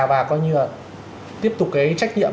và coi như là tiếp tục cái trách nhiệm